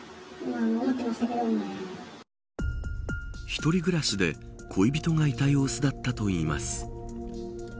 一人暮らしで、恋人がいた様子だったといいます。